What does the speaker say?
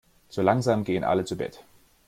So langsam gehen alle zu Bett.